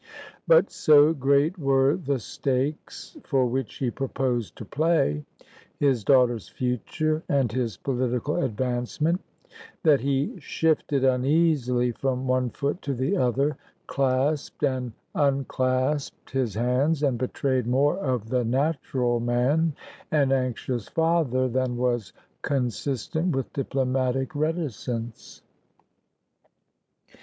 But so great were the stakes for which he proposed to play his daughter's future and his political advancement that he shifted uneasily from one foot to the other, clasped and unclasped his hands, and betrayed more of the natural man and anxious father than was consistent with diplomatic reticence.